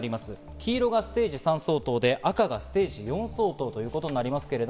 黄色がステージ３相当で赤がステージ４相当となりますけれど。